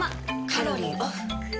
カロリーオフ。